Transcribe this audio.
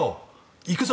行くぞ！